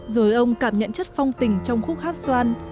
rồi ông cảm nhận chất phong tình trong khúc hát xoan